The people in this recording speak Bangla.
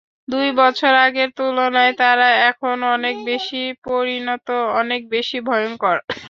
দুই বছর আগের তুলনায় তারা এখন অনেক বেশি পরিণত, অনেক বেশি ভয়ংকর।